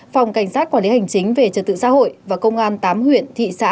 phòng cảnh sát quản lý hành chính về trật tự xã hội và công an tám huyện thị xã